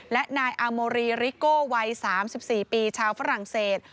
และนายอาโมรีริโก้วัย๓๔ปีชาวฝรั่งเศส